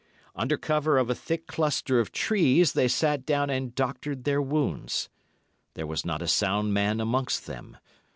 Under cover of a thick cluster of trees they sat down and doctored their wounds. There was not a sound man amongst them.